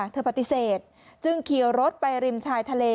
ปฏิเสธจึงขี่รถไปริมชายทะเล